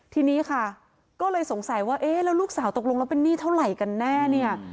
ทีนี้ค่ะก็เลยสงสัยว่าเอ๊ะแล้วลูกสาวตกลงแล้วเป็นหนี้เท่าไหร่กันแน่เนี่ย